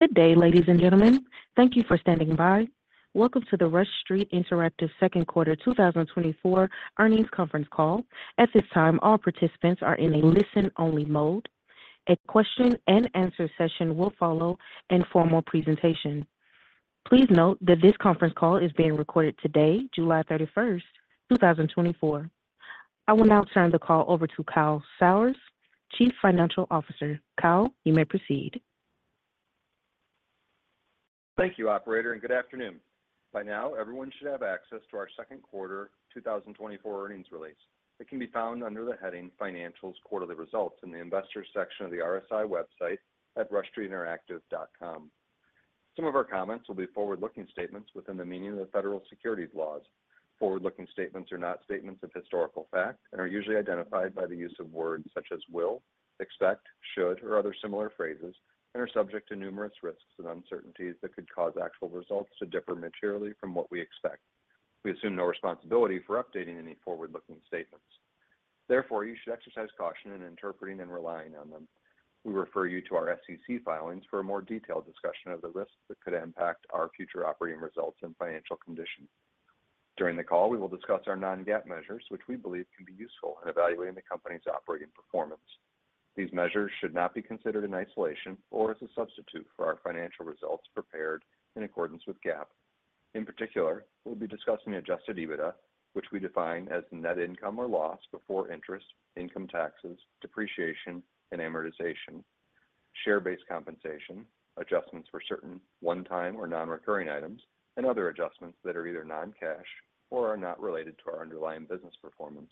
Good day, ladies and gentlemen. Thank you for standing by. Welcome to the Rush Street Interactive Second Quarter 2024 earnings conference call. At this time, all participants are in a listen-only mode. A Q&A session will follow the formal presentation. Please note that this conference call is being recorded today, July 31st, 2024. I will now turn the call over to Kyle Sauers, Chief Financial Officer. Kyle, you may proceed. Thank you, Operator, and good afternoon. By now, everyone should have access to our Second Quarter 2024 earnings release. It can be found under the heading Financials Quarterly Results in the Investor section of the RSI website at rushstreetinteractive.com. Some of our comments will be forward-looking statements within the meaning of the federal securities laws. Forward-looking statements are not statements of historical fact and are usually identified by the use of words such as will, expect, should, or other similar phrases, and are subject to numerous risks and uncertainties that could cause actual results to differ materially from what we expect. We assume no responsibility for updating any forward-looking statements. Therefore, you should exercise caution in interpreting and relying on them. We refer you to our SEC filings for a more detailed discussion of the risks that could impact our future operating results and financial condition. During the call, we will discuss our non-GAAP measures, which we believe can be useful in evaluating the company's operating performance. These measures should not be considered in isolation or as a substitute for our financial results prepared in accordance with GAAP. In particular, we'll be discussing adjusted EBITDA, which we define as net income or loss before interest, income taxes, depreciation and amortization, share-based compensation, adjustments for certain one-time or non-recurring items, and other adjustments that are either non-cash or are not related to our underlying business performance.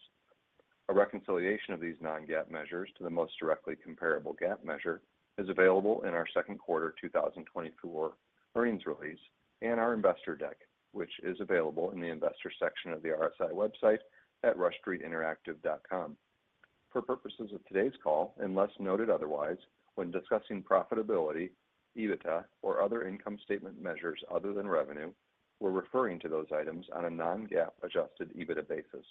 A reconciliation of these non-GAAP measures to the most directly comparable GAAP measure is available in our Second Quarter 2024 earnings release and our Investor Deck, which is available in the Investor section of the RSI website at rushstreetinteractive.com. For purposes of today's call, unless noted otherwise, when discussing profitability, EBITDA, or other income statement measures other than revenue, we're referring to those items on a non-GAAP adjusted EBITDA basis.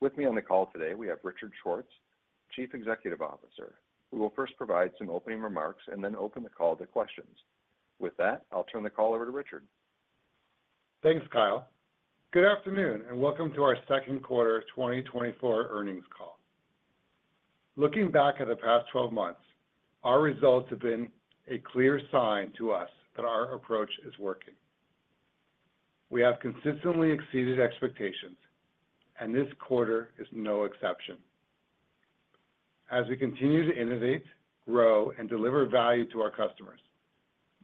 With me on the call today, we have Richard Schwartz, Chief Executive Officer. We will first provide some opening remarks and then open the call to questions. With that, I'll turn the call over to Richard. Thanks, Kyle. Good afternoon and welcome to our Second Quarter 2024 earnings call. Looking back at the past 12 months, our results have been a clear sign to us that our approach is working. We have consistently exceeded expectations, and this quarter is no exception. As we continue to innovate, grow, and deliver value to our customers,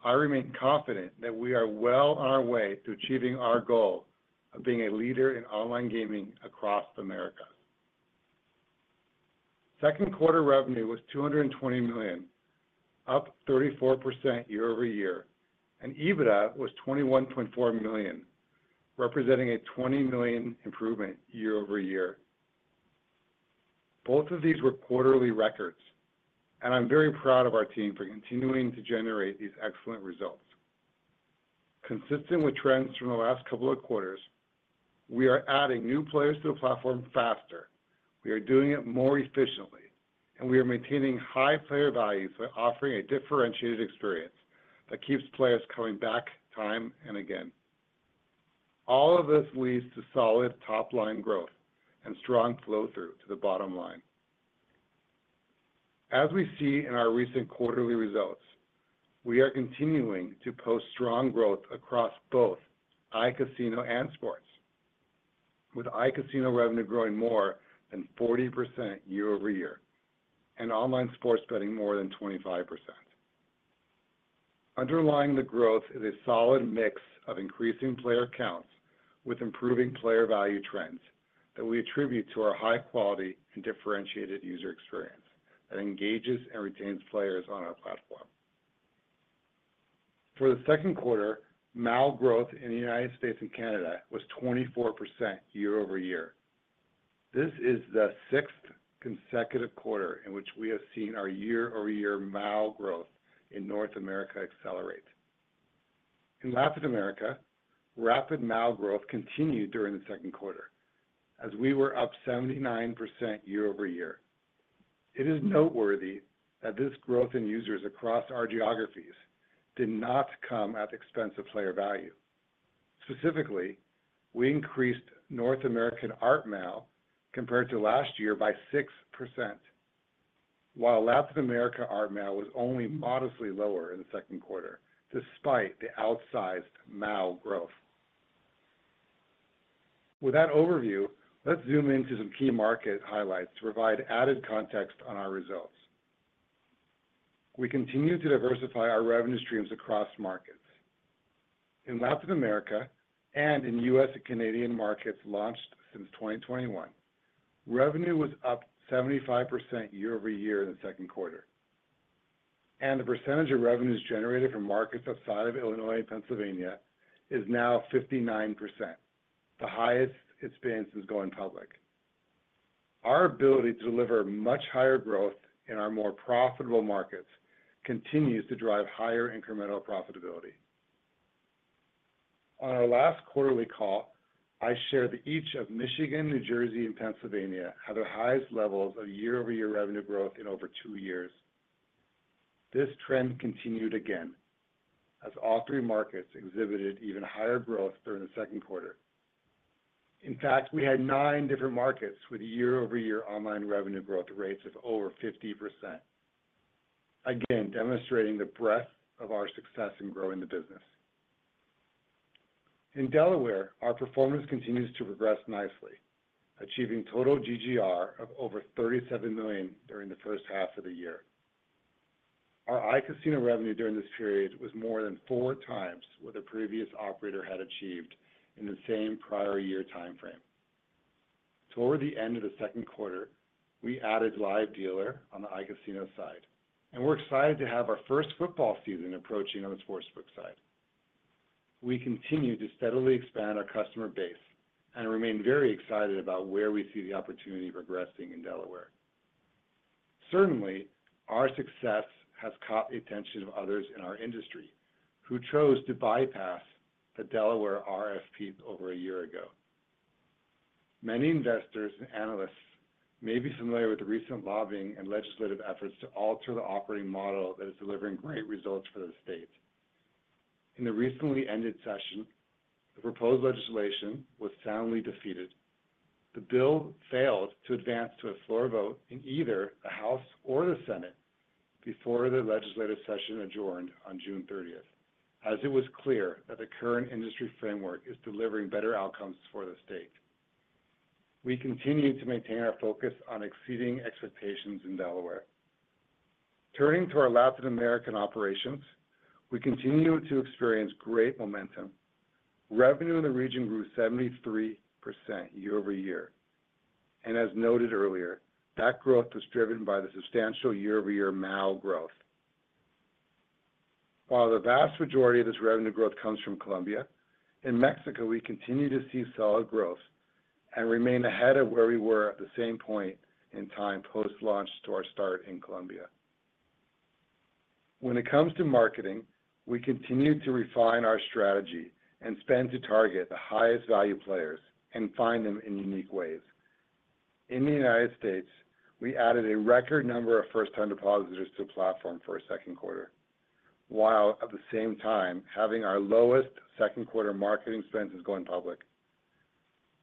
I remain confident that we are well on our way to achieving our goal of being a leader in online gaming across America. Second Quarter revenue was $220 million, up 34% year-over-year, and EBITDA was $21.4 million, representing a $20 million improvement year-over-year. Both of these were quarterly records, and I'm very proud of our team for continuing to generate these excellent results. Consistent with trends from the last couple of quarters, we are adding new players to the platform faster, we are doing it more efficiently, and we are maintaining high player value by offering a differentiated experience that keeps players coming back time and again. All of this leads to solid top-line growth and strong flow-through to the bottom line. As we see in our recent quarterly results, we are continuing to post strong growth across both iCasino and sports, with iCasino revenue growing more than 40% year-over-year and online sports betting more than 25%. Underlying the growth is a solid mix of increasing player counts with improving player value trends that we attribute to our high-quality and differentiated user experience that engages and retains players on our platform. For the second quarter, MAU growth in the United States and Canada was 24% year-over-year. This is the sixth consecutive quarter in which we have seen our year-over-year MAU growth in North America accelerate. In Latin America, rapid MAU growth continued during the second quarter, as we were up 79% year over year. It is noteworthy that this growth in users across our geographies did not come at the expense of player value. Specifically, we increased North American ARPMAU compared to last year by 6%, while Latin America ARPMAU was only modestly lower in the second quarter, despite the outsized MAU growth. With that overview, let's zoom into some key market highlights to provide added context on our results. We continue to diversify our revenue streams across markets. In Latin America and in U.S. and Canadian markets launched since 2021, revenue was up 75% year-over-year in the second quarter, and the percentage of revenues generated from markets outside of Illinois and Pennsylvania is now 59%, the highest it's been since going public. Our ability to deliver much higher growth in our more profitable markets continues to drive higher incremental profitability. On our last quarterly call, I shared that each of Michigan, New Jersey, and Pennsylvania had the highest levels of year-over-year revenue growth in over two years. This trend continued again, as all three markets exhibited even higher growth during the second quarter. In fact, we had nine different markets with year-over-year online revenue growth rates of over 50%, again demonstrating the breadth of our success in growing the business. In Delaware, our performance continues to progress nicely, achieving total GGR of over $37 million during the first half of the year. Our iCasino revenue during this period was more than four times what the previous operator had achieved in the same prior year timeframe. Toward the end of the second quarter, we added live dealer on the iCasino side, and we're excited to have our first football season approaching on the sportsbook side. We continue to steadily expand our customer base and remain very excited about where we see the opportunity progressing in Delaware. Certainly, our success has caught the attention of others in our industry who chose to bypass the Delaware RFP over a year ago. Many investors and analysts may be familiar with the recent lobbying and legislative efforts to alter the operating model that is delivering great results for the state. In the recently ended session, the proposed legislation was soundly defeated. The bill failed to advance to a floor vote in either the House or the Senate before the legislative session adjourned on June 30th, as it was clear that the current industry framework is delivering better outcomes for the state. We continue to maintain our focus on exceeding expectations in Delaware. Turning to our Latin American operations, we continue to experience great momentum. Revenue in the region grew 73% year-over-year, and as noted earlier, that growth was driven by the substantial year-over-year MAU growth. While the vast majority of this revenue growth comes from Colombia, in Mexico, we continue to see solid growth and remain ahead of where we were at the same point in time post-launch to our start in Colombia. When it comes to marketing, we continue to refine our strategy and spend to target the highest value players and find them in unique ways. In the United States, we added a record number of first-time depositors to the platform for our second quarter, while at the same time having our lowest second-quarter marketing spend since going public.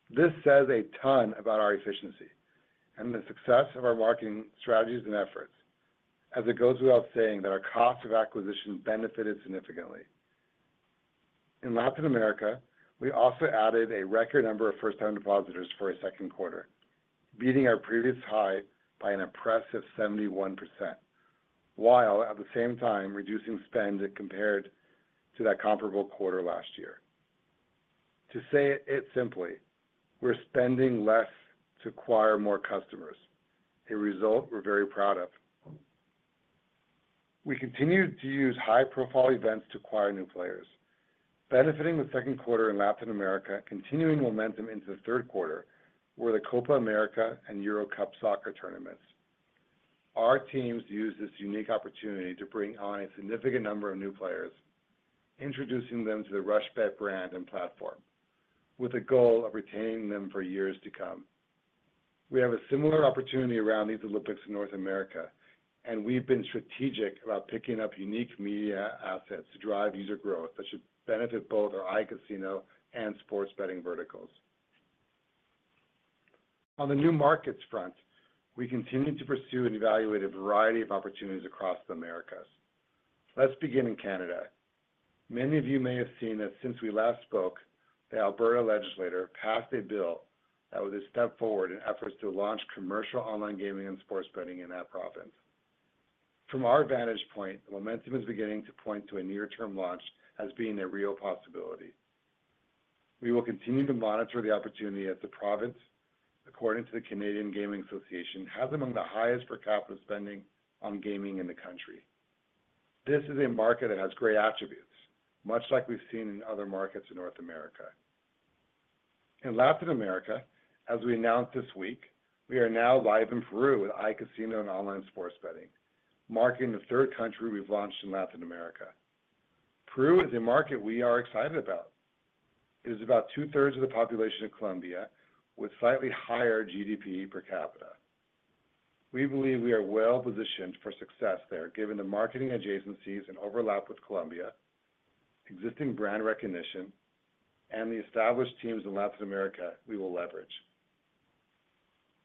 This says a ton about our efficiency and the success of our marketing strategies and efforts, as it goes without saying that our cost of acquisition benefited significantly. In Latin America, we also added a record number of first-time depositors for our second quarter, beating our previous high by an impressive 71%, while at the same time reducing spend compared to that comparable quarter last year. To say it simply, we're spending less to acquire more customers, a result we're very proud of. We continue to use high-profile events to acquire new players, benefiting the second quarter in Latin America and continuing momentum into the third quarter with the Copa América and Euro Cup soccer tournaments. Our teams use this unique opportunity to bring on a significant number of new players, introducing them to the RushBet brand and platform, with the goal of retaining them for years to come. We have a similar opportunity around these Olympics in North America, and we've been strategic about picking up unique media assets to drive user growth that should benefit both our iCasino and sports betting verticals. On the new markets front, we continue to pursue and evaluate a variety of opportunities across the Americas. Let's begin in Canada. Many of you may have seen that since we last spoke, the Alberta legislature passed a bill that was a step forward in efforts to launch commercial online gaming and sports betting in that province. From our vantage point, the momentum is beginning to point to a near-term launch as being a real possibility. We will continue to monitor the opportunity as the province, according to the Canadian Gaming Association, has among the highest per capita spending on gaming in the country. This is a market that has great attributes, much like we've seen in other markets in North America. In Latin America, as we announced this week, we are now live in Peru with iCasino and online sports betting, marking the third country we've launched in Latin America. Peru is a market we are excited about. It is about two-thirds of the population of Colombia, with slightly higher GDP per capita. We believe we are well-positioned for success there, given the marketing adjacencies and overlap with Colombia, existing brand recognition, and the established teams in Latin America we will leverage.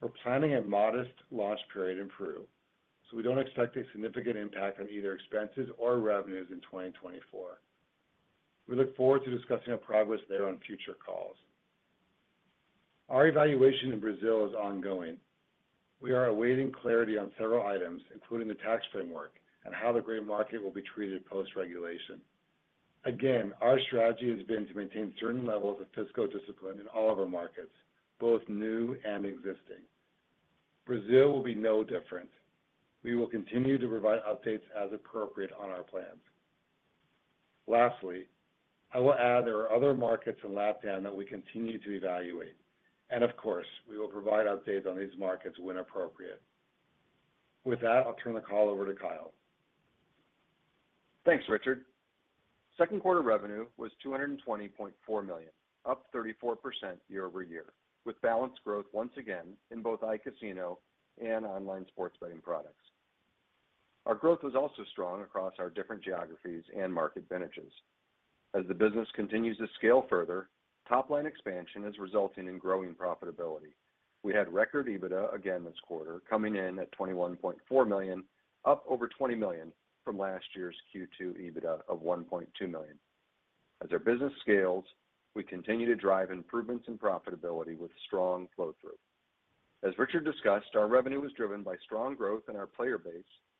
We're planning a modest launch period in Peru, so we don't expect a significant impact on either expenses or revenues in 2024. We look forward to discussing our progress there on future calls. Our evaluation in Brazil is ongoing. We are awaiting clarity on several items, including the tax framework and how the grey market will be treated post-regulation. Again, our strategy has been to maintain certain levels of fiscal discipline in all of our markets, both new and existing. Brazil will be no different. We will continue to provide updates as appropriate on our plans. Lastly, I will add there are other markets in Latin that we continue to evaluate, and of course, we will provide updates on these markets when appropriate. With that, I'll turn the call over to Kyle. Thanks, Richard. Second quarter revenue was $220.4 million, up 34% year-over-year, with balanced growth once again in both iCasino and online sports betting products. Our growth was also strong across our different geographies and market vintages. As the business continues to scale further, top-line expansion is resulting in growing profitability. We had record EBITDA again this quarter, coming in at $21.4 million, up over $20 million from last year's Q2 EBITDA of $1.2 million. As our business scales, we continue to drive improvements in profitability with strong flow-through. As Richard discussed, our revenue was driven by strong growth in our player base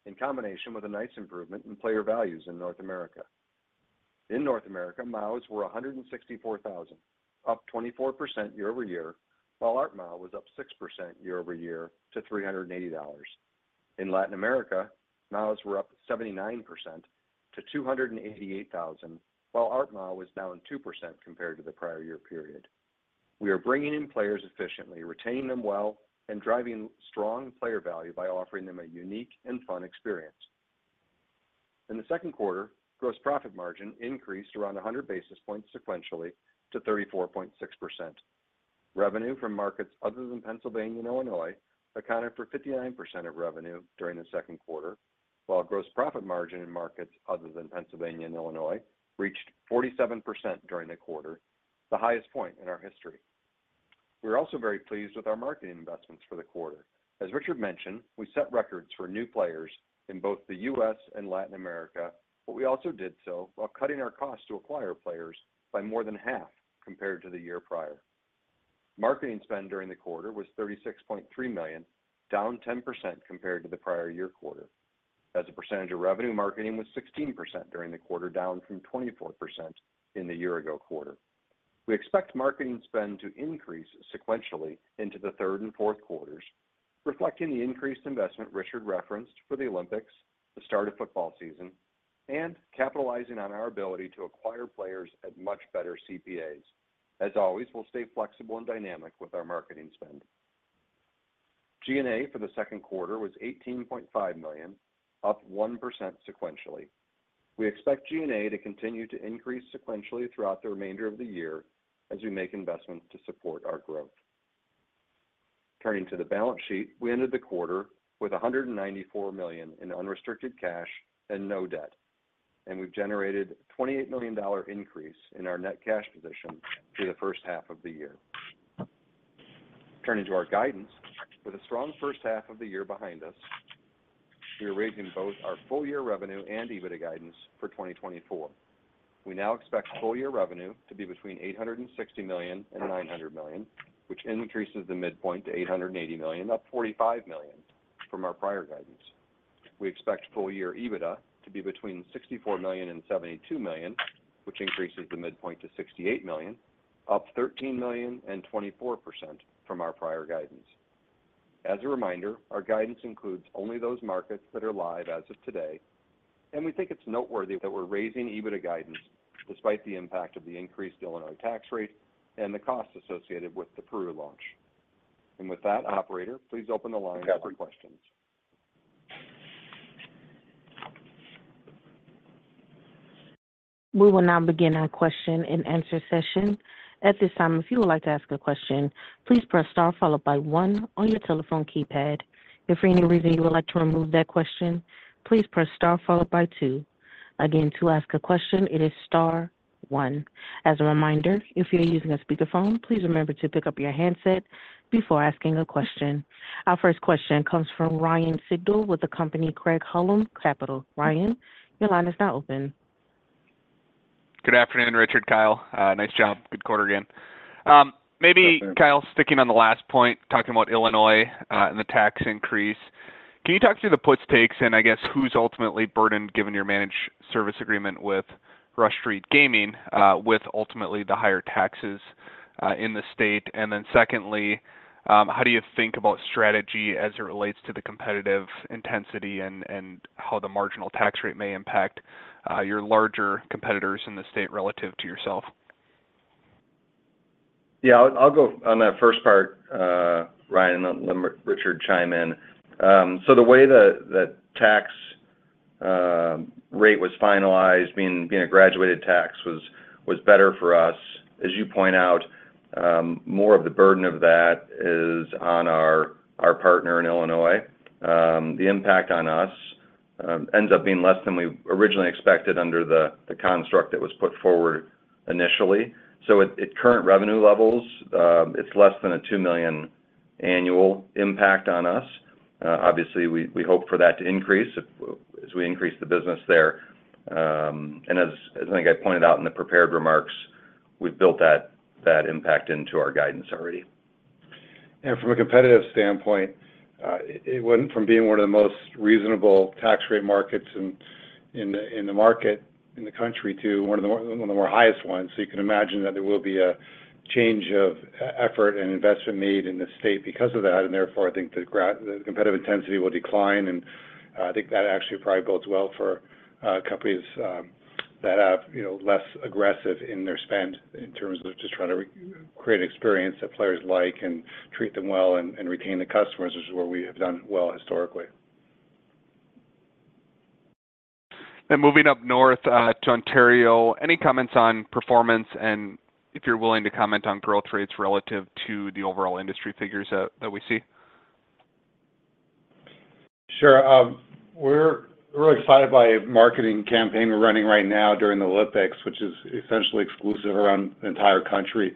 in combination with a nice improvement in player values in North America. In North America, MAUs were 164,000, up 24% year-over-year, while ARPMAU was up 6% year-over-year to $380. In Latin America, MAUs were up 79% to $288,000, while ARPMAU was down 2% compared to the prior year period. We are bringing in players efficiently, retaining them well, and driving strong player value by offering them a unique and fun experience. In the second quarter, gross profit margin increased around 100 basis points sequentially to 34.6%. Revenue from markets other than Pennsylvania and Illinois accounted for 59% of revenue during the second quarter, while gross profit margin in markets other than Pennsylvania and Illinois reached 47% during the quarter, the highest point in our history. We're also very pleased with our marketing investments for the quarter. As Richard mentioned, we set records for new players in both the U.S. and Latin America, but we also did so while cutting our cost to acquire players by more than half compared to the year prior. Marketing spend during the quarter was $36.3 million, down 10% compared to the prior year quarter, as a percentage of revenue, marketing was 16% during the quarter, down from 24% in the year-ago quarter. We expect marketing spend to increase sequentially into the third and fourth quarters, reflecting the increased investment Richard referenced for the Olympics, the start of football season, and capitalizing on our ability to acquire players at much better CPAs. As always, we'll stay flexible and dynamic with our marketing spend. G&A for the second quarter was $18.5 million, up 1% sequentially. We expect G&A to continue to increase sequentially throughout the remainder of the year as we make investments to support our growth. Turning to the balance sheet, we ended the quarter with $194 million in unrestricted cash and no debt, and we've generated a $28 million increase in our net cash position through the first half of the year. Turning to our guidance, with a strong first half of the year behind us, we are raising both our full-year revenue and EBITDA guidance for 2024. We now expect full-year revenue to be between $860 million and $900 million, which increases the midpoint to $880 million, up $45 million from our prior guidance. We expect full-year EBITDA to be between $64 million and $72 million, which increases the midpoint to $68 million, up $13 million and 24% from our prior guidance. As a reminder, our guidance includes only those markets that are live as of today, and we think it's noteworthy that we're raising EBITDA guidance despite the impact of the increased Illinois tax rate and the cost associated with the Peru launch. And with that, Operator, please open the line for questions. We will now begin our Q&A session. At this time, if you would like to ask a question, please press star followed by one on your telephone keypad. If for any reason you would like to remove that question, please press star followed by two. Again, to ask a question, it is star one. As a reminder, if you're using a speakerphone, please remember to pick up your handset before asking a question. Our first question comes from Ryan Sigdahl with Craig-Hallum Capital Group. Ryan, your line is now open. Good afternoon, Richard, Kyle. Nice job. Good quarter again. Maybe, Kyle, sticking on the last point, talking about Illinois and the tax increase. Can you talk through the puts, takes, and I guess who's ultimately burdened, given your managed service agreement with Rush Street Gaming, with ultimately the higher taxes in the state? And then secondly, how do you think about strategy as it relates to the competitive intensity and how the marginal tax rate may impact your larger competitors in the state relative to yourself? Yeah, I'll go on that first part, Ryan, and then let Richard chime in. So the way that tax rate was finalized, being a graduated tax, was better for us. As you point out, more of the burden of that is on our partner in Illinois. The impact on us ends up being less than we originally expected under the construct that was put forward initially. So at current revenue levels, it's less than a $2 million annual impact on us. Obviously, we hope for that to increase as we increase the business there. And as I think I pointed out in the prepared remarks, we've built that impact into our guidance already. From a competitive standpoint, it went from being one of the most reasonable tax rate markets in the market in the country to one of the more highest ones. You can imagine that there will be a change of effort and investment made in the state because of that. Therefore, I think the competitive intensity will decline. I think that actually probably bodes well for companies that are less aggressive in their spend in terms of just trying to create an experience that players like and treat them well and retain the customers, which is where we have done well historically. Moving up north to Ontario, any comments on performance and if you're willing to comment on growth rates relative to the overall industry figures that we see? Sure. We're really excited by a marketing campaign we're running right now during the Olympics, which is essentially exclusive around the entire country,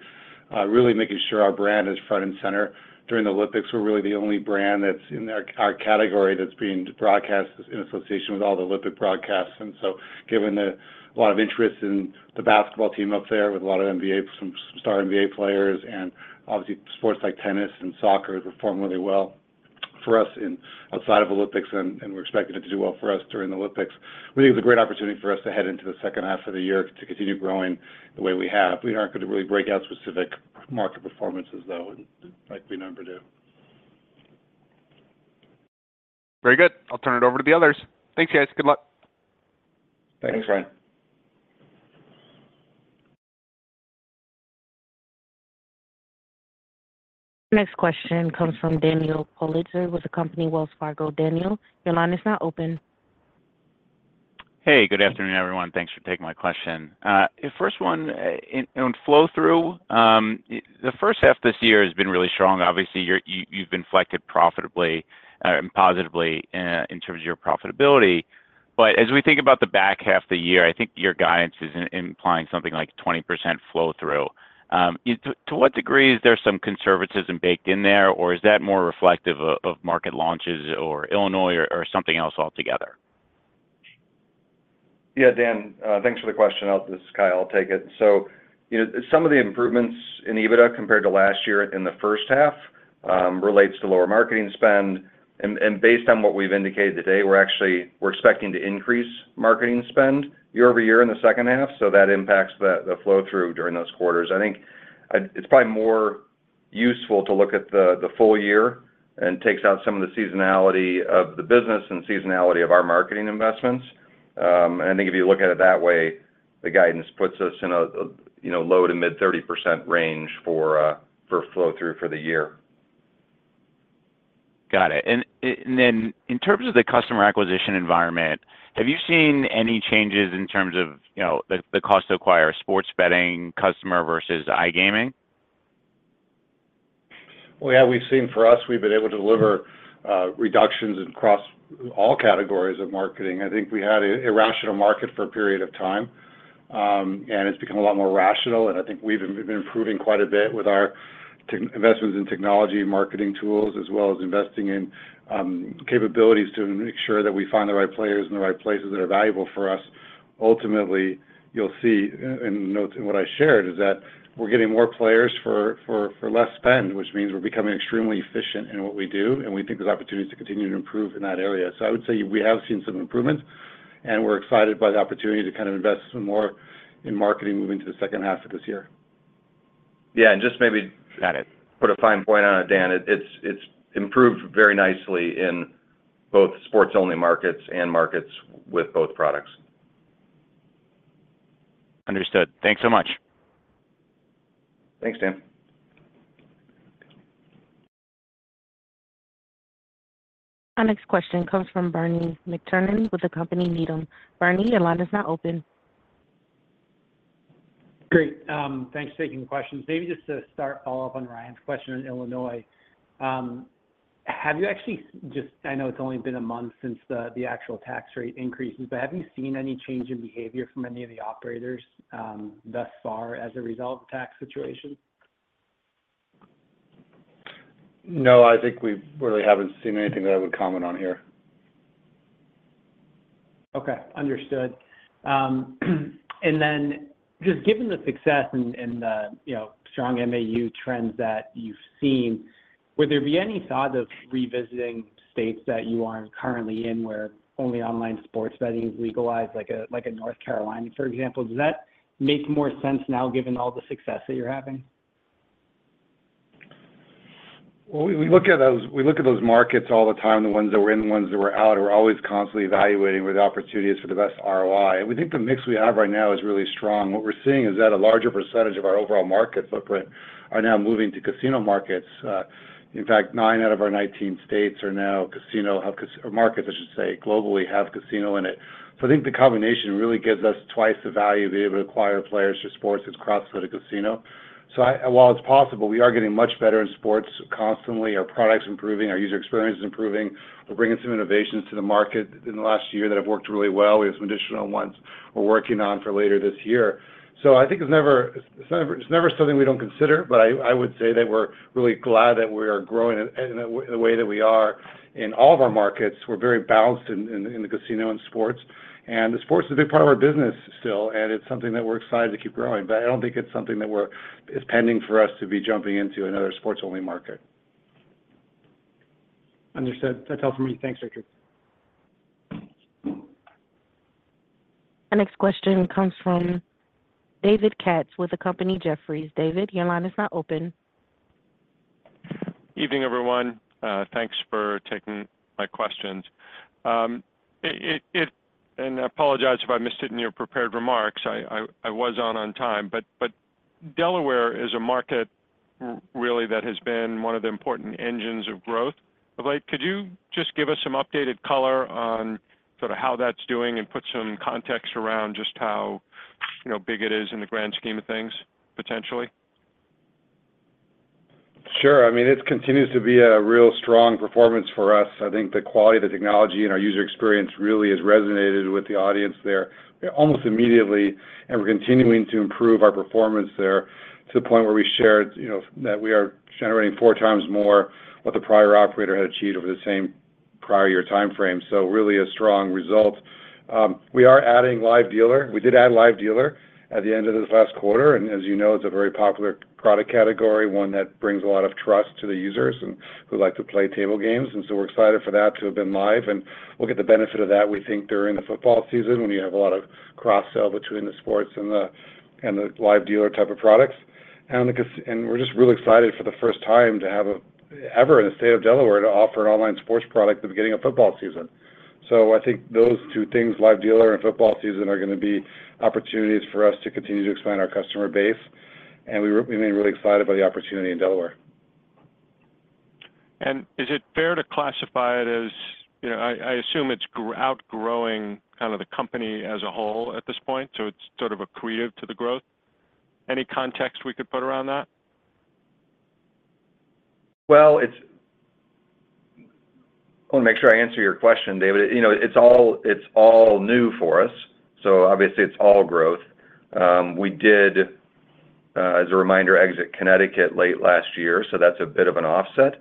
really making sure our brand is front and center. During the Olympics, we're really the only brand that's in our category that's being broadcast in association with all the Olympic broadcasts. And so given a lot of interest in the basketball team up there with a lot of NBA, some star NBA players, and obviously sports like tennis and soccer perform really well for us outside of Olympics, and we're expecting it to do well for us during the Olympics. We think it's a great opportunity for us to head into the second half of the year to continue growing the way we have. We aren't going to really break out specific market performances, though, like we remember to. Very good. I'll turn it over to the others. Thanks, guys. Good luck. Thanks, Ryan. Next question comes from Daniel Politzer with the company Wells Fargo. Daniel, your line is now open. Hey, good afternoon, everyone. Thanks for taking my question. First one, on flow-through, the first half this year has been really strong. Obviously, you've been reflected profitably and positively in terms of your profitability. But as we think about the back half of the year, I think your guidance is implying something like 20% flow-through. To what degree is there some conservatism baked in there, or is that more reflective of market launches or Illinois or something else altogether? Yeah, Dan, thanks for the question. This is Kyle. I'll take it. So some of the improvements in EBITDA compared to last year in the first half relates to lower marketing spend. And based on what we've indicated today, we're expecting to increase marketing spend year-over-year in the second half. So that impacts the flow-through during those quarters. I think it's probably more useful to look at the full year and takes out some of the seasonality of the business and seasonality of our marketing investments. And I think if you look at it that way, the guidance puts us in a low to mid-30% range for flow-through for the year. Got it. And then in terms of the customer acquisition environment, have you seen any changes in terms of the cost to acquire sports betting customer versus iGaming? Well, yeah, we've seen for us, we've been able to deliver reductions across all categories of marketing. I think we had a rational market for a period of time, and it's become a lot more rational. I think we've been improving quite a bit with our investments in technology marketing tools, as well as investing in capabilities to make sure that we find the right players in the right places that are valuable for us. Ultimately, you'll see in what I shared is that we're getting more players for less spend, which means we're becoming extremely efficient in what we do. We think there's opportunities to continue to improve in that area. So I would say we have seen some improvements, and we're excited by the opportunity to kind of invest more in marketing moving to the second half of this year. Yeah, and just maybe put a fine point on it, Dan. It's improved very nicely in both sports-only markets and markets with both products. Understood. Thanks so much. Thanks, Dan. Our next question comes from Bernie McTernan with the company Needham. Bernie, your line is now open. Great. Thanks for taking the questions. Maybe just to start off on Ryan's question in Illinois, have you actually just, I know it's only been a month since the actual tax rate increases, but have you seen any change in behavior from any of the operators thus far as a result of the tax situation? No, I think we really haven't seen anything that I would comment on here. Okay. Understood. And then just given the success and the strong MAU trends that you've seen, would there be any thought of revisiting states that you aren't currently in where only online sports betting is legalized, like in North Carolina, for example? Does that make more sense now, given all the success that you're having? Well, we look at those markets all the time. The ones that were in, the ones that were out, are always constantly evaluating where the opportunity is for the best ROI. We think the mix we have right now is really strong. What we're seeing is that a larger percentage of our overall market footprint are now moving to casino markets. In fact, nine out of our 19 states are now casino markets, I should say, globally have casino in it. So I think the combination really gives us twice the value of being able to acquire players for sports that cross the casino. So while it's possible, we are getting much better in sports constantly. Our product's improving, our user experience is improving. We're bringing some innovations to the market in the last year that have worked really well. We have some additional ones we're working on for later this year. So I think it's never something we don't consider, but I would say that we're really glad that we are growing in the way that we are in all of our markets. We're very balanced in the casino and sports. And the sports is a big part of our business still, and it's something that we're excited to keep growing. But I don't think it's something that is pending for us to be jumping into another sports-only market. Understood. That's all from me. Thanks, Richard. Our next question comes from David Katz with the company Jefferies. David, your line is now open. Evening, everyone. Thanks for taking my questions. I apologize if I missed it in your prepared remarks. I was on time. Delaware is a market really that has been one of the important engines of growth of late. Could you just give us some updated color on sort of how that's doing and put some context around just how big it is in the grand scheme of things potentially? Sure. I mean, it continues to be a real strong performance for us. I think the quality of the technology and our user experience really has resonated with the audience there almost immediately. And we're continuing to improve our performance there to the point where we shared that we are generating four times more what the prior operator had achieved over the same prior year timeframe. So really a strong result. We are adding live dealer. We did add live dealer at the end of this last quarter. And as you know, it's a very popular product category, one that brings a lot of trust to the users and who like to play table games. And so we're excited for that to have been live. We'll get the benefit of that, we think, during the football season when you have a lot of cross-sell between the sports and the live dealer type of products. We're just really excited for the first time to have ever in the state of Delaware to offer an online sports product at the beginning of football season. I think those two things, live dealer and football season, are going to be opportunities for us to continue to expand our customer base. We've been really excited by the opportunity in Delaware. Is it fair to classify it as I assume it's outgrowing kind of the company as a whole at this point, so it's sort of accretive to the growth? Any context we could put around that? Well, I want to make sure I answer your question, David. It's all new for us. So obviously, it's all growth. We did, as a reminder, exit Connecticut late last year, so that's a bit of an offset.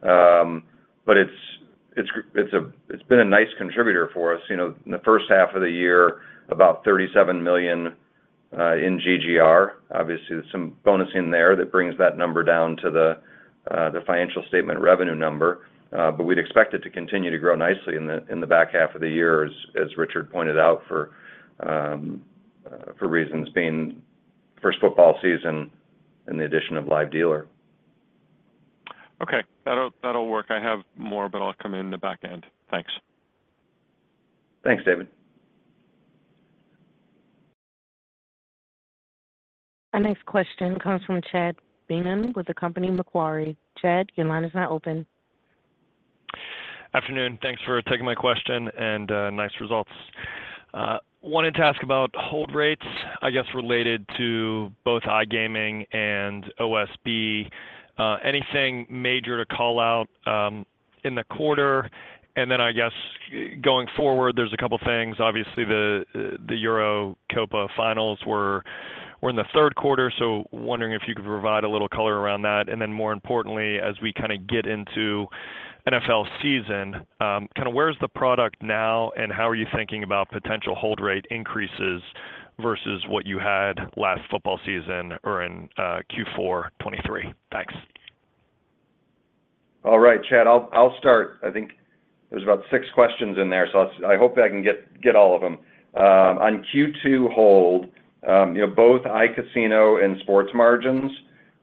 But it's been a nice contributor for us. In the first half of the year, about $37 million in GGR. Obviously, there's some bonus in there that brings that number down to the financial statement revenue number. But we'd expect it to continue to grow nicely in the back half of the year, as Richard pointed out, for reasons being first football season and the addition of live dealer. Okay. That'll work. I have more, but I'll come in the back end. Thanks. Thanks, David. Our next question comes from Chad Beynon with the company Macquarie. Chad, your line is now open. Afternoon. Thanks for taking my question and nice results. Wanted to ask about hold rates, I guess, related to both iGaming and OSB. Anything major to call out in the quarter? And then I guess going forward, there's a couple of things. Obviously, the Euro Copa finals were in the third quarter, so wondering if you could provide a little color around that. And then more importantly, as we kind of get into NFL season, kind of where's the product now and how are you thinking about potential hold rate increases versus what you had last football season or in Q4 2023? Thanks. All right, Chad. I'll start. I think there's about six questions in there, so I hope I can get all of them. On Q2 hold, both iCasino and sports margins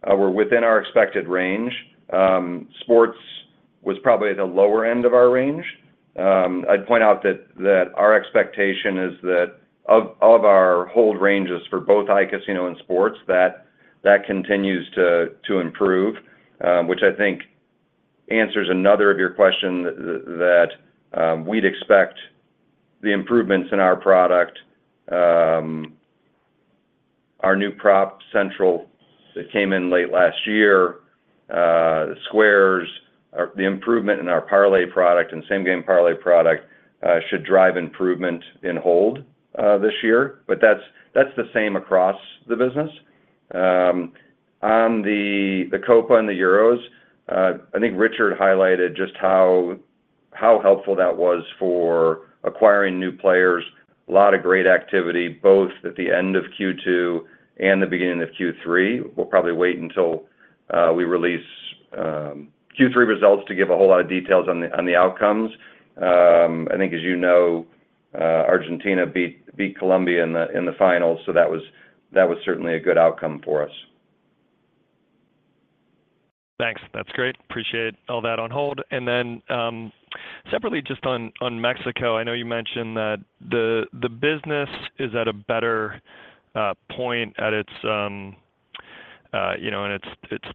were within our expected range. Sports was probably at the lower end of our range. I'd point out that our expectation is that of our hold ranges for both iCasino and sports, that continues to improve, which I think answers another of your questions that we'd expect the improvements in our product, our new Prop Central that came in late last year, the Squares, the improvement in our parlay product and same-game parlay product should drive improvement in hold this year. But that's the same across the business. On the Copa and the Euros, I think Richard highlighted just how helpful that was for acquiring new players. A lot of great activity both at the end of Q2 and the beginning of Q3. We'll probably wait until we release Q3 results to give a whole lot of details on the outcomes. I think, as you know, Argentina beat Colombia in the finals, so that was certainly a good outcome for us. Thanks. That's great. Appreciate all that on hold. Then separately, just on Mexico, I know you mentioned that the business is at a better point at its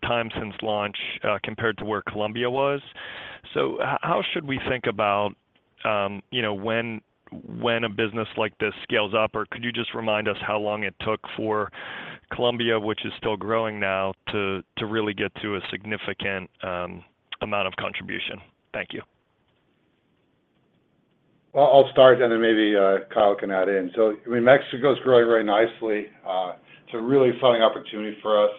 time since launch compared to where Colombia was. So how should we think about when a business like this scales up? Or could you just remind us how long it took for Colombia, which is still growing now, to really get to a significant amount of contribution? Thank you. Well, I'll start, and then maybe Kyle can add in. So I mean, Mexico's growing very nicely. It's a really fun opportunity for us.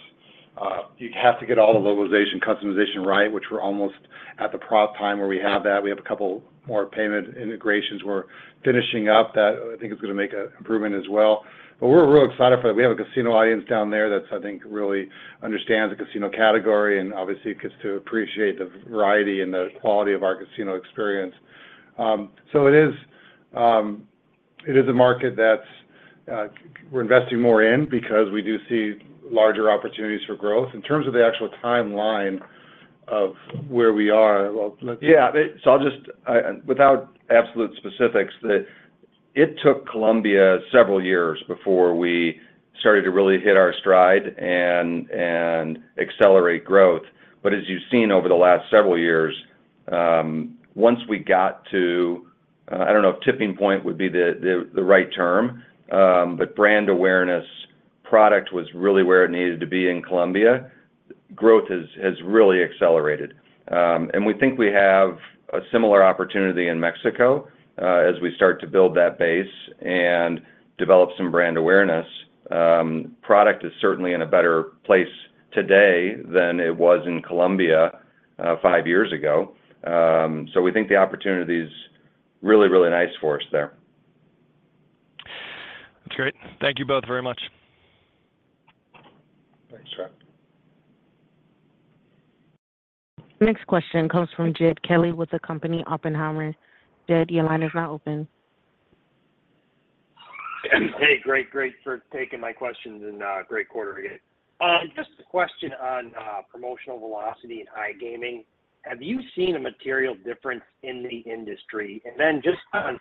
You have to get all the localization customization right, which we're almost at the point in time where we have that. We have a couple more payment integrations we're finishing up that I think is going to make an improvement as well. But we're real excited for that. We have a casino audience down there that I think really understands the casino category. And obviously, it gets to appreciate the variety and the quality of our casino experience. So it is a market that we're investing more in because we do see larger opportunities for growth. In terms of the actual timeline of where we are, well, let's, yeah. So I'll just, without absolute specifics, that it took Colombia several years before we started to really hit our stride and accelerate growth. But as you've seen over the last several years, once we got to - I don't know if tipping point would be the right term - but brand awareness, product was really where it needed to be in Colombia. Growth has really accelerated. And we think we have a similar opportunity in Mexico as we start to build that base and develop some brand awareness. Product is certainly in a better place today than it was in Colombia five years ago. So we think the opportunity is really, really nice for us there. That's great. Thank you both very much. Thanks, Chad. Next question comes from Jed Kelly with the company Oppenheimer. Jed, your line is now open. Hey, great, great for taking my questions and great quarter to get. Just a question on promotional velocity and iGaming. Have you seen a material difference in the industry? And then just on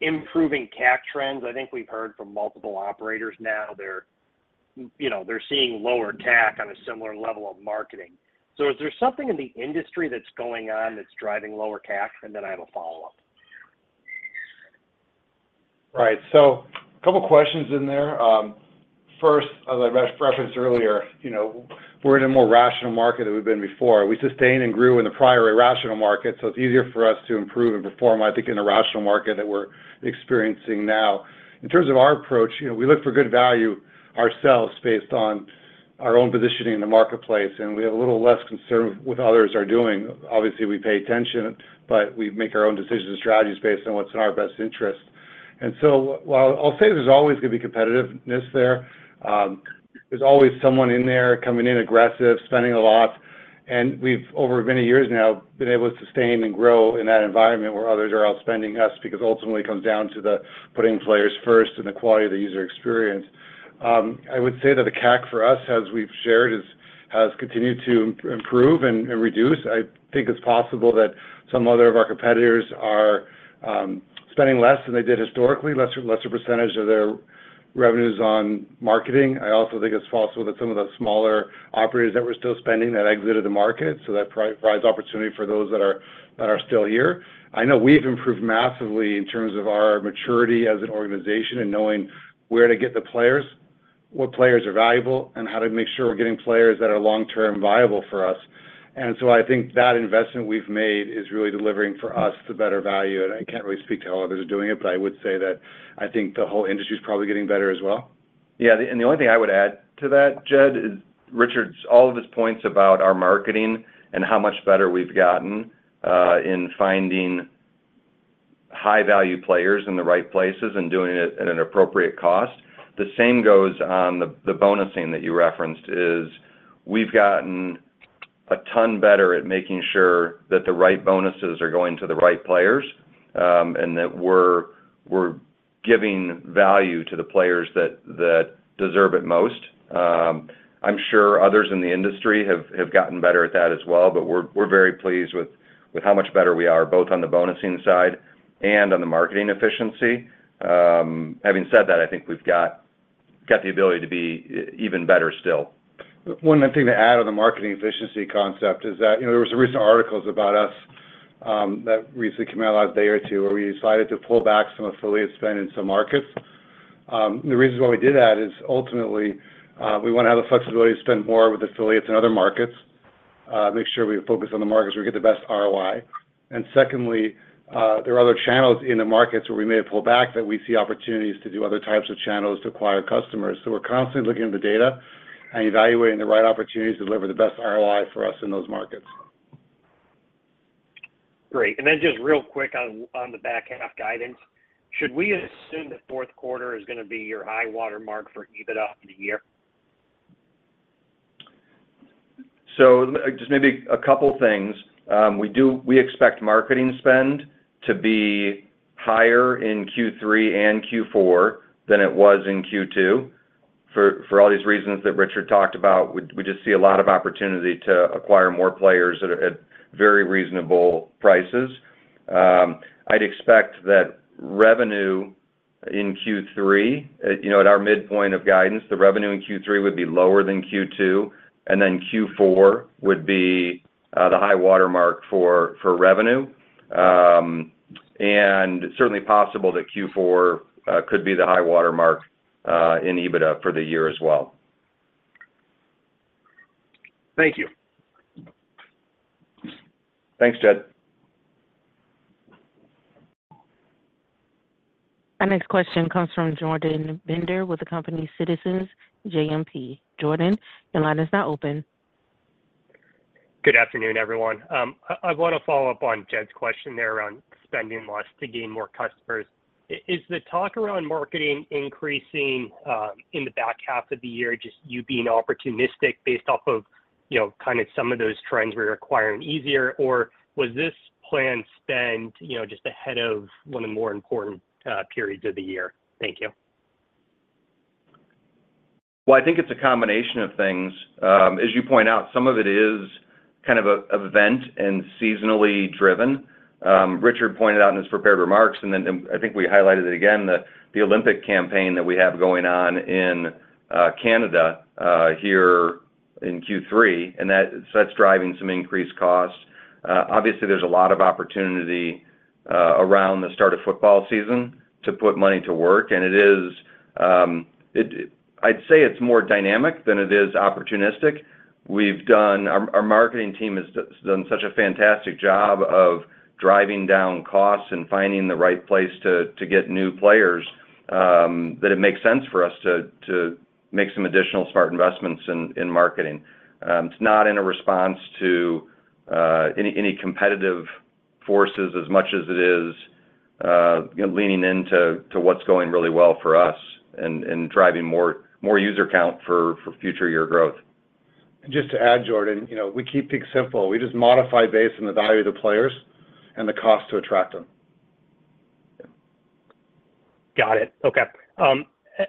improving CAC trends, I think we've heard from multiple operators now they're seeing lower CAC on a similar level of marketing. So is there something in the industry that's going on that's driving lower CAC? And then I have a follow-up. Right. So a couple of questions in there. First, as I referenced earlier, we're in a more rational market than we've been before. We sustained and grew in the prior irrational market, so it's easier for us to improve and perform, I think, in a rational market that we're experiencing now. In terms of our approach, we look for good value ourselves based on our own positioning in the marketplace. And we have a little less concern with what others are doing. Obviously, we pay attention, but we make our own decisions and strategies based on what's in our best interest. And so I'll say there's always going to be competitiveness there. There's always someone in there coming in aggressive, spending a lot. We've, over many years now, been able to sustain and grow in that environment where others are outspending us because ultimately it comes down to putting players first and the quality of the user experience. I would say that the CAC for us, as we've shared, has continued to improve and reduce. I think it's possible that some other of our competitors are spending less than they did historically, lesser percentage of their revenues on marketing. I also think it's possible that some of the smaller operators that were still spending that exited the market. So that provides opportunity for those that are still here. I know we've improved massively in terms of our maturity as an organization and knowing where to get the players, what players are valuable, and how to make sure we're getting players that are long-term viable for us. I think that investment we've made is really delivering for us the better value. I can't really speak to how others are doing it, but I would say that I think the whole industry is probably getting better as well. Yeah. And the only thing I would add to that, Jed, is Richard's all of his points about our marketing and how much better we've gotten in finding high-value players in the right places and doing it at an appropriate cost. The same goes on the bonusing that you referenced is we've gotten a ton better at making sure that the right bonuses are going to the right players and that we're giving value to the players that deserve it most. I'm sure others in the industry have gotten better at that as well, but we're very pleased with how much better we are, both on the bonusing side and on the marketing efficiency. Having said that, I think we've got the ability to be even better still. One thing to add on the marketing efficiency concept is that there were some recent articles about us that recently came out last day or two where we decided to pull back some affiliate spend in some markets. The reason why we did that is ultimately we want to have the flexibility to spend more with affiliates in other markets, make sure we focus on the markets where we get the best ROI. And secondly, there are other channels in the markets where we may have pulled back that we see opportunities to do other types of channels to acquire customers. So we're constantly looking at the data and evaluating the right opportunities to deliver the best ROI for us in those markets. Great. And then just real quick on the back half guidance, should we assume the fourth quarter is going to be your high watermark for EBITDA of the year? Just maybe a couple of things. We expect marketing spend to be higher in Q3 and Q4 than it was in Q2 for all these reasons that Richard talked about. We just see a lot of opportunity to acquire more players at very reasonable prices. I'd expect that revenue in Q3, at our midpoint of guidance, the revenue in Q3 would be lower than Q2. Then Q4 would be the high watermark for revenue. Certainly possible that Q4 could be the high watermark in EBITDA for the year as well. Thank you. Thanks, Jed. Our next question comes from Jordan Bender with the company Citizens JMP. Jordan, your line is now open. Good afternoon, everyone. I want to follow up on Jed's question there around spending less to gain more customers. Is the talk around marketing increasing in the back half of the year just you being opportunistic based off of kind of some of those trends where you're acquiring easier, or was this planned spend just ahead of one of the more important periods of the year? Thank you. Well, I think it's a combination of things. As you point out, some of it is kind of event and seasonally driven. Richard pointed out in his prepared remarks, and then I think we highlighted it again, the Olympic campaign that we have going on in Canada here in Q3. And so that's driving some increased costs. Obviously, there's a lot of opportunity around the start of football season to put money to work. And I'd say it's more dynamic than it is opportunistic. Our marketing team has done such a fantastic job of driving down costs and finding the right place to get new players that it makes sense for us to make some additional smart investments in marketing. It's not in a response to any competitive forces as much as it is leaning into what's going really well for us and driving more user count for future year growth. Just to add, Jordan, we keep things simple. We just modify based on the value of the players and the cost to attract them. Got it. Okay.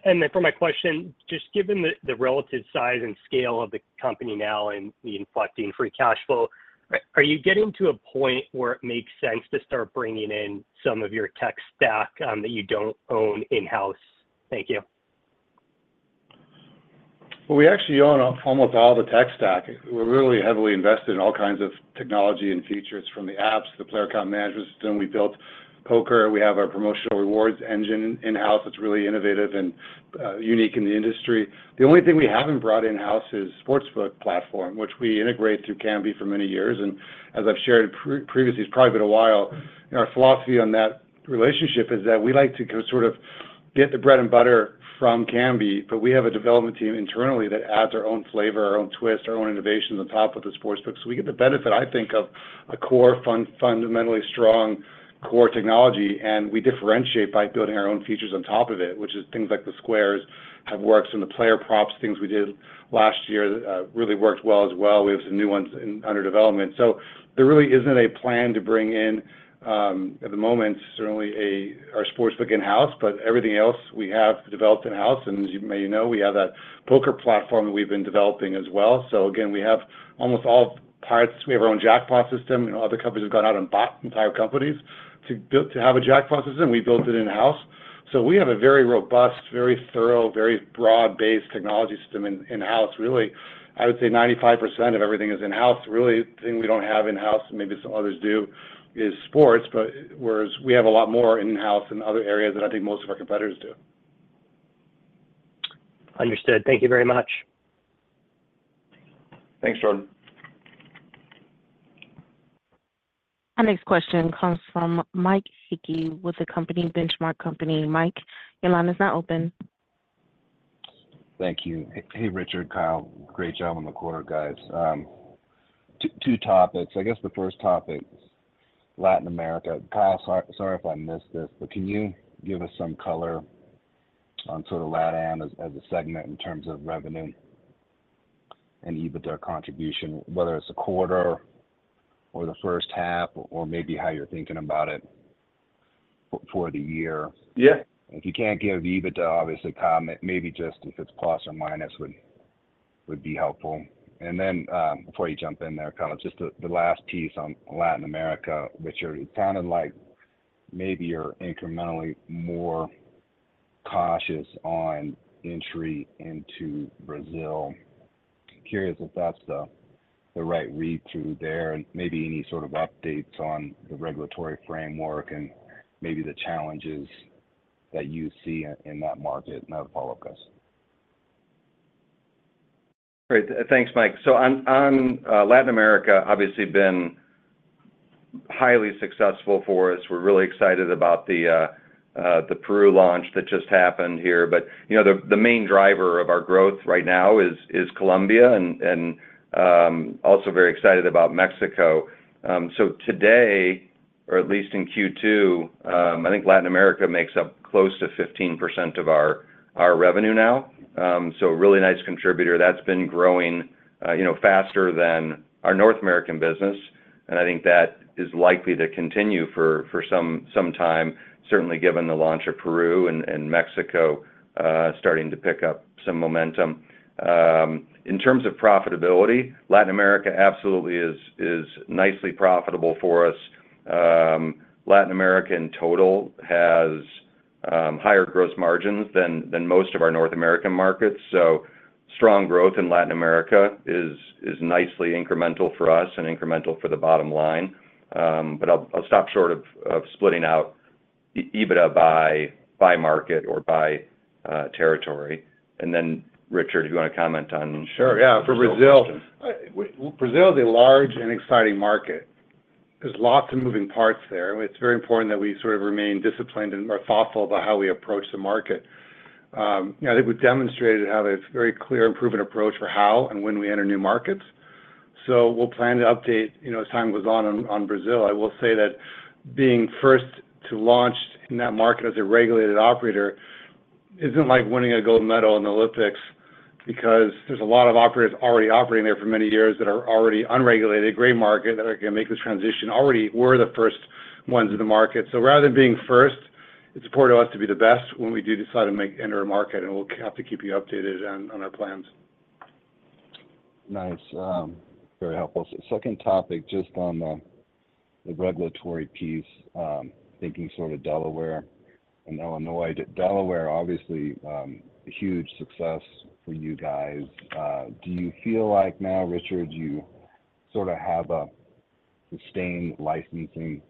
And then for my question, just given the relative size and scale of the company now and the inflecting free cash flow, are you getting to a point where it makes sense to start bringing in some of your tech stack that you don't own in-house? Thank you. Well, we actually own almost all the tech stack. We're really heavily invested in all kinds of technology and features from the apps, the player account management system. We built poker. We have our promotional rewards engine in-house that's really innovative and unique in the industry. The only thing we haven't brought in-house is sportsbook platform, which we integrate through Kambi for many years. And as I've shared previously, it's probably been a while. Our philosophy on that relationship is that we like to sort of get the bread and butter from Kambi, but we have a development team internally that adds our own flavor, our own twist, our own innovations on top of the sportsbook. So we get the benefit, I think, of a core fundamentally strong core technology. And we differentiate by building our own features on top of it, which is things like the squares have worked and the player props, things we did last year really worked well as well. We have some new ones under development. So there really isn't a plan to bring in at the moment, certainly our sportsbook in-house, but everything else we have developed in-house. And as you may know, we have that poker platform that we've been developing as well. So again, we have almost all parts. We have our own jackpot system. Other companies have gone out and bought entire companies to have a jackpot system. We built it in-house. So we have a very robust, very thorough, very broad-based technology system in-house, really. I would say 95% of everything is in-house. Really, the thing we don't have in-house, maybe some others do, is sports, whereas we have a lot more in-house in other areas than I think most of our competitors do. Understood. Thank you very much. Thanks, Jordan. Our next question comes from Mike Hickey with company Benchmark Company. Mike, your line is now open. Thank you. Hey, Richard, Kyle, great job on the quarter, guys. Two topics. I guess the first topic, Latin America. Kyle, sorry if I missed this, but can you give us some color on sort of LATAM as a segment in terms of revenue and EBITDA contribution, whether it's a quarter or the first half or maybe how you're thinking about it for the year? Yeah. If you can't give EBITDA, obviously, maybe just if it's plus or minus would be helpful. Then before you jump in there, Kyle, just the last piece on Latin America, which you're kind of like maybe you're incrementally more cautious on entry into Brazil. Curious if that's the right read-through there and maybe any sort of updates on the regulatory framework and maybe the challenges that you see in that market. I'll follow up, guys. Great. Thanks, Mike. So Latin America obviously been highly successful for us. We're really excited about the Peru launch that just happened here. But the main driver of our growth right now is Colombia and also very excited about Mexico. So today, or at least in Q2, I think Latin America makes up close to 15% of our revenue now. So a really nice contributor. That's been growing faster than our North American business. And I think that is likely to continue for some time, certainly given the launch of Peru and Mexico starting to pick up some momentum. In terms of profitability, Latin America absolutely is nicely profitable for us. Latin America in total has higher gross margins than most of our North American markets. So strong growth in Latin America is nicely incremental for us and incremental for the bottom line. But I'll stop short of splitting out EBITDA by market or by territory. And then, Richard, do you want to comment on that question? Sure. Yeah. For Brazil, Brazil is a large and exciting market. There's lots of moving parts there. It's very important that we sort of remain disciplined and more thoughtful about how we approach the market. I think we've demonstrated to have a very clear and proven approach for how and when we enter new markets. So we'll plan to update as time goes on on Brazil. I will say that being first to launch in that market as a regulated operator isn't like winning a gold medal in the Olympics because there's a lot of operators already operating there for many years that are already unregulated, gray market that are going to make the transition. Already we're the first ones in the market. Rather than being first, it's important to us to be the best when we do decide to enter a market. We'll have to keep you updated on our plans. Nice. Very helpful. Second topic, just on the regulatory piece, thinking sort of Delaware and Illinois. Delaware, obviously, huge success for you guys. Do you feel like now, Richard, you sort of have a sustained licensing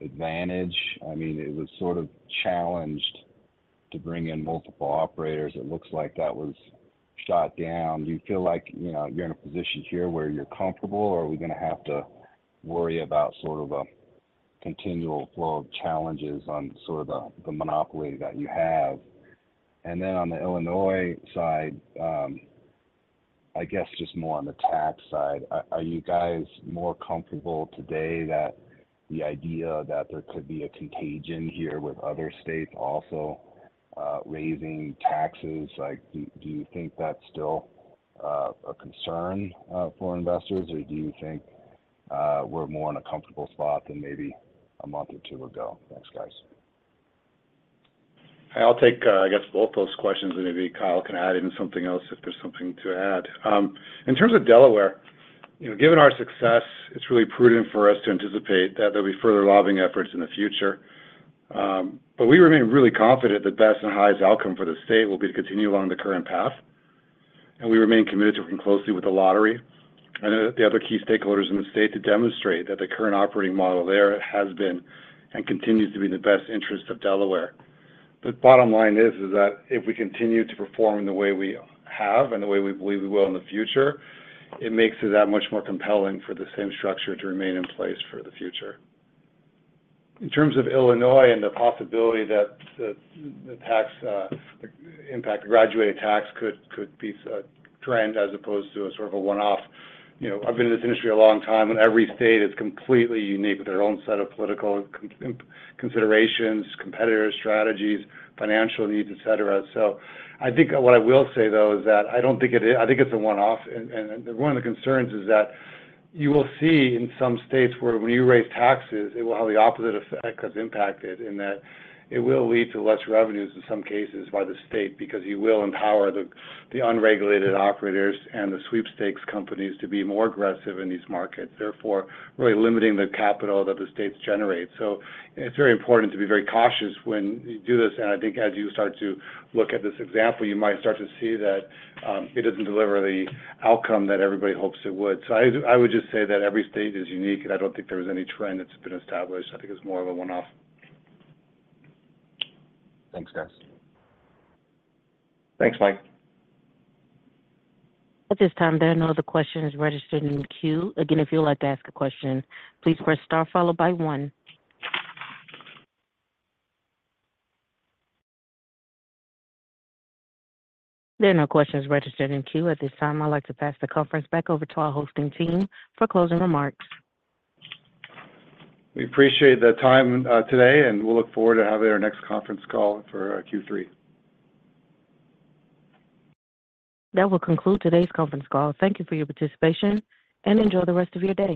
advantage? I mean, it was sort of challenged to bring in multiple operators. It looks like that was shot down. Do you feel like you're in a position here where you're comfortable, or are we going to have to worry about sort of a continual flow of challenges on sort of the monopoly that you have? And then on the Illinois side, I guess just more on the tax side, are you guys more comfortable today that the idea that there could be a contagion here with other states also raising taxes? Do you think that's still a concern for investors, or do you think we're more in a comfortable spot than maybe a month or two ago? Thanks, guys. I'll take, I guess, both those questions. And maybe Kyle can add in something else if there's something to add. In terms of Delaware, given our success, it's really prudent for us to anticipate that there'll be further lobbying efforts in the future. But we remain really confident that best and highest outcome for the state will be to continue along the current path. And we remain committed to working closely with the lottery and the other key stakeholders in the state to demonstrate that the current operating model there has been and continues to be in the best interest of Delaware. The bottom line is that if we continue to perform in the way we have and the way we believe we will in the future, it makes it that much more compelling for the same structure to remain in place for the future. In terms of Illinois and the possibility that the impact of graduated tax could be trend as opposed to a sort of a one-off. I've been in this industry a long time, and every state is completely unique with their own set of political considerations, competitor strategies, financial needs, etc. So I think what I will say, though, is that I don't think it is, I think it's a one-off. And one of the concerns is that you will see in some states where when you raise taxes, it will have the opposite effect as impacted in that it will lead to less revenues in some cases by the state because you will empower the unregulated operators and the sweepstakes companies to be more aggressive in these markets, therefore really limiting the capital that the states generate. So it's very important to be very cautious when you do this. I think as you start to look at this example, you might start to see that it doesn't deliver the outcome that everybody hopes it would. I would just say that every state is unique, and I don't think there's any trend that's been established. I think it's more of a one-off. Thanks, guys. Thanks, Mike. At this time, there are no other questions registered in queue. Again, if you'd like to ask a question, please press star followed by one. There are no questions registered in queue at this time. I'd like to pass the conference back over to our hosting team for closing remarks. We appreciate the time today, and we'll look forward to having our next conference call for Q3. That will conclude today's conference call. Thank you for your participation, and enjoy the rest of your day.